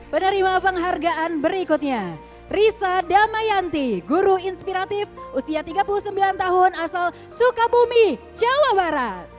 penerima penghargaan berikutnya risa damayanti guru inspiratif usia tiga puluh sembilan tahun asal sukabumi jawa barat